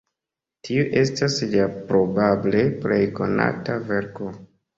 Tiu estas lia probable plej konata verko.